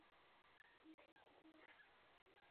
斯坦威街车站列车服务。